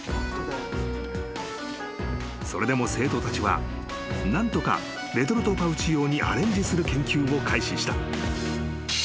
［それでも生徒たちは何とかレトルトパウチ用にアレンジする研究を開始した］